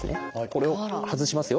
これを外しますよ。